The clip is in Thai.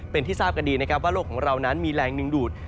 เป็นที่ทราบกันดีนะครับว่าโลกของเรานั้นมีแรงดึงดูด